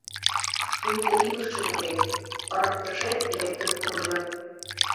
Пуйто илыше уке, ырыктышет лектын куржын.